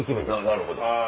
なるほど。